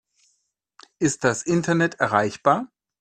Ist das Internet erreichbar?